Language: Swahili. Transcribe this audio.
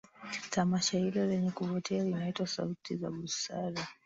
Tamasha Hilo lenye kuvutia linaitwa sauti za busara